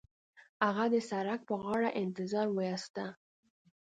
هغه د سړک پر غاړه انتظار وېسته.